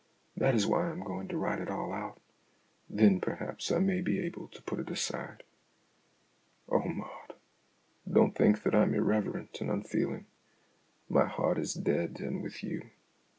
That is why I am going to write it all out. Then perhaps I may be able to put it aside. Oh, Maud, don't think that I'm irreverent and unfeeling. My heart is dead and with you.